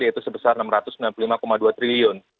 yaitu sebesar rp enam ratus sembilan puluh lima dua triliun